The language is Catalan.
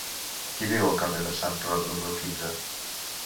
Qui viu al carrer de Sant Roc número quinze?